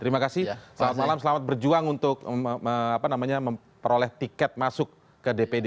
terima kasih selamat malam selamat berjuang untuk memperoleh tiket masuk ke dpd